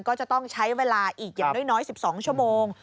ก็จะต้องใช้เวลาอีกอย่างน้อย๑๒ชั่วโมง